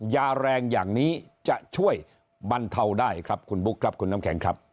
ยาแรงอย่างนี้จะช่วยบรรเทาได้ครับคุณบุ๊คครับคุณน้ำแข็งครับ